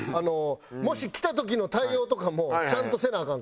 もし来た時の対応とかもちゃんとせなアカンから。